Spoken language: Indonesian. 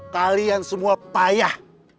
kalian semua payah